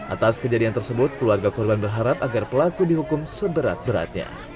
atas kejadian tersebut keluarga korban berharap agar pelaku dihukum seberat beratnya